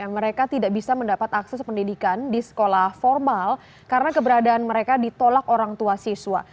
mereka tidak bisa mendapat akses pendidikan di sekolah formal karena keberadaan mereka ditolak orang tua siswa